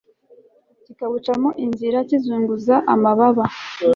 kikawucamo inzira kizunguza amababa